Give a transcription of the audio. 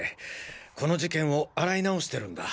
この事件を洗い直してるんだ。